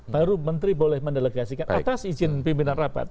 baru menteri boleh mendelegasikan atas izin pimpinan rapat